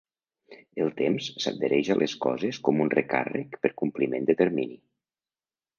El temps s'adhereix a les coses com un recàrrec per compliment de termini.